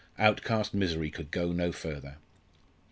Outcast misery could go no further.